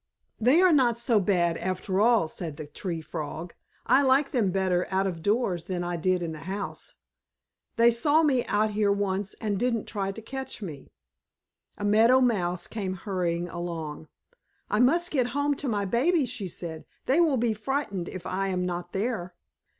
"They are not so bad after all," said the Tree Frog. "I like them better out of doors than I did in the house. They saw me out here once and didn't try to catch me." A Meadow Mouse came hurrying along. "I must get home to my babies," she said. "They will be frightened if I am not there."